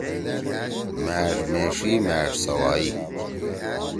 مأݜ میݜی مأݜ سوائی۔